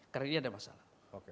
karena ini ada masalah